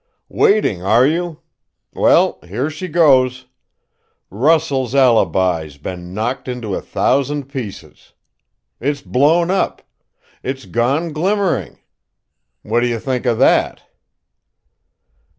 "Waiting, are you? Well, here she goes; Russell's alibi's been knocked into a thousand pieces! It's blown up! It's gone glimmering! What do you think of that?"